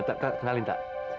tak tak kenalin tak